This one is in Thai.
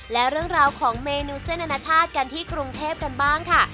และเรื่องราวของเมนูเส้นอนาชาติกันที่กรุงเทพกันบ้างค่ะ